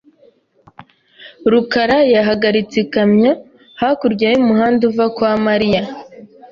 rukara yahagaritse ikamyo hakurya y'umuhanda uva kwa Mariya .